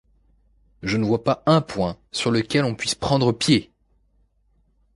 Je ne vois pas un point sur lequel on puisse prendre pied !